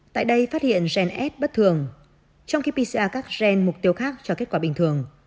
tại đây phát hiện gens bất thường trong khi pcr các gen mục tiêu khác cho kết quả bình thường